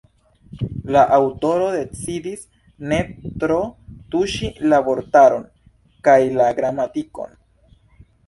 La aŭtoro decidis ne tro tuŝi la vortaron kaj la gramatikon.